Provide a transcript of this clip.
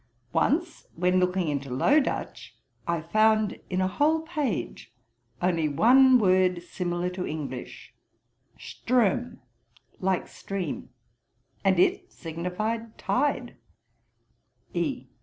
Once, when looking into Low Dutch, I found, in a whole page, only one word similar to English; stroem, like stream, and it signified tide'. E.